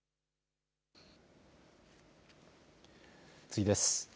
次です。